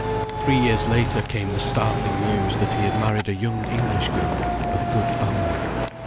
Three years later came the startling news that he had married a young English girl of good family.